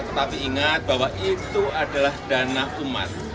tetapi ingat bahwa itu adalah dana umat